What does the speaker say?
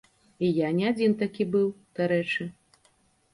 І я не адзін такі быў, дарэчы.